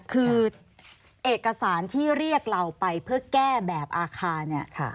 คือเอกสารที่เรียกเราไปเพื่อแก้แบบอาคารเนี่ย